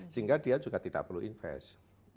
sehingga dia juga tidak perlu invest